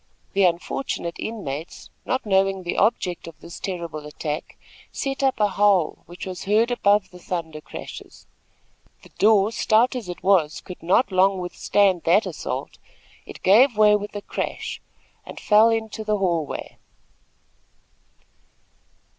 The unfortunate inmates, not knowing the object of this terrible attack, set up a howl which was heard above the thunder crashes. The door, stout as it was, could not long withstand that assault. It gave way with a crash, and fell into the hall way.